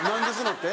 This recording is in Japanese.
って？